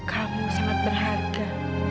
kamu sangat berharga